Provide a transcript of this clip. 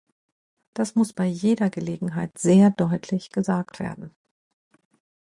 Das muss bei jeder Gelegenheit sehr deutlich gesagt werden.